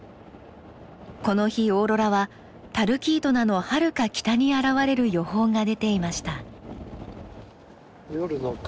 この日オーロラはタルキートナのはるか北に現れる予報が出ていました。